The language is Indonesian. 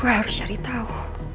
gue harus cari tau